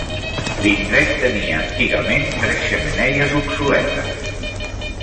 L'indret tenia antigament tres xemeneies obsoletes.